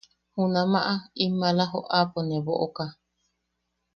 Junamaʼa in maala joʼapo ne boʼoka.